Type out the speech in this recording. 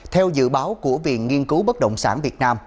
theo dự báo của viện nghiên cứu bất động sản việt nam